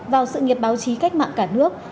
vào sự nghiệp báo chí cách mạng cả nước